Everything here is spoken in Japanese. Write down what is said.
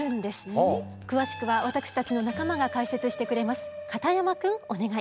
詳しくは私たちの仲間が解説してくれます。